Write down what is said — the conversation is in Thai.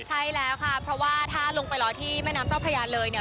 ใช่แล้วค่ะเพราะว่าถ้าลงไปรอที่แม่น้ำเจ้าพระยาเลยเนี่ย